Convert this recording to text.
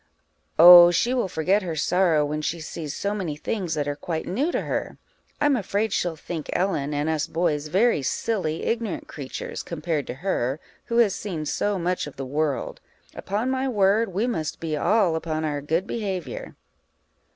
_ Oh, she will forget her sorrow when she sees so many things that are quite new to her. I'm afraid she'll think Ellen, and us boys, very silly, ignorant creatures, compared to her, who has seen so much of the world: upon my word, we must be all upon our good behaviour.